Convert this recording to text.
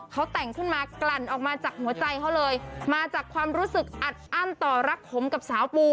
เขาแต่งขึ้นมากลั่นออกมาจากหัวใจเขาเลยมาจากความรู้สึกอัดอั้นต่อรักขมกับสาวปู